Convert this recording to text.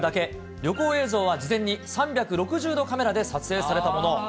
旅行映像は事前に３６０度カメラで撮影されたもの。